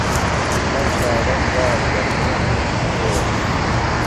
هەر چارەم، یار، دەرمانە، دوکتۆر